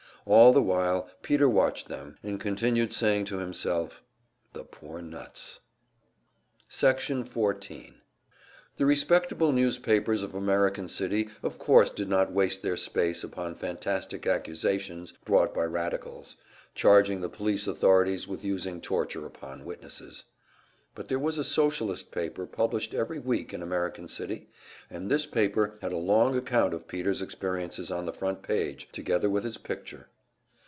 All the while Peter watched them, and continued saying to himself: "The poor nuts!" Section 14 The respectable newspapers of American City of course did not waste their space upon fantastic accusations brought by radicals, charging the police authorities with using torture upon witnesses. But there was a Socialist paper published every week in American City, and this paper had a long account of Peter's experiences on the front page, together with his picture.